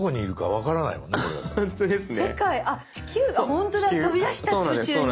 ほんとだ飛び出した宇宙に。